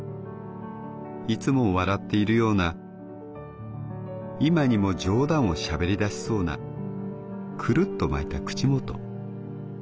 いつも笑っているような今にも冗談をしゃべり出しそうなくるっと巻いた口元。